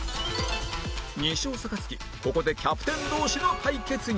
２勝差がつきここでキャプテン同士の対決に